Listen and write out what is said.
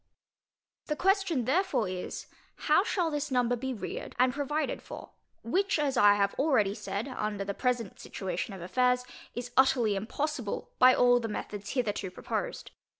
The question therefore is, How this number shall be reared and provided for? which, as I have already said, under the present situation of affairs, is utterly impossible by all the methods hitherto proposed.